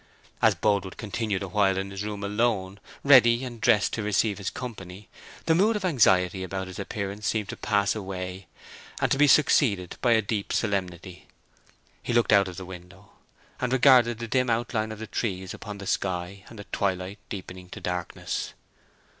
As Boldwood continued awhile in his room alone—ready and dressed to receive his company—the mood of anxiety about his appearance seemed to pass away, and to be succeeded by a deep solemnity. He looked out of the window, and regarded the dim outline of the trees upon the sky, and the twilight deepening to darkness.